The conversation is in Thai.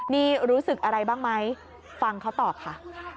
นี่รู้สึกอะไรบ้างไหมฟังเขาตอบค่ะ